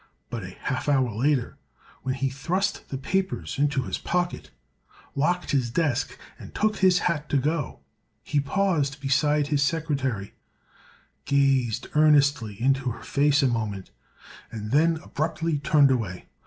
But, a half hour later, when he thrust the papers into his pocket, locked his desk and took his hat to go, he paused beside his secretary, gazed earnestly into her face a moment and then abruptly turned away.